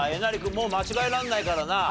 もう間違えられないからな。